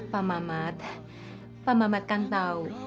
pak mamat pak mamat kan tahu